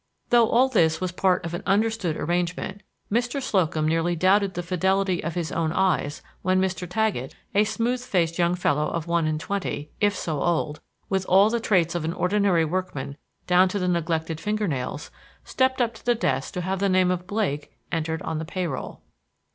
Though all this was part of an understood arrangement, Mr. Slocum nearly doubted the fidelity of his own eyes when Mr. Taggett, a smooth faced young fellow of one and twenty, if so old, with all the traits of an ordinary workman down to the neglected fingernails, stepped up to the desk to have the name of Blake entered on the pay roll.